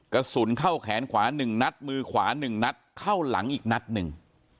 กระสุนเข้าแขนขวา๑นัดมือขวา๑นัดเข้าหลังอีกนัดหนึ่ง